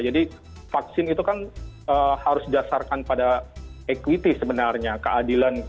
jadi vaksin itu kan harus didasarkan pada equity sebenarnya keadilan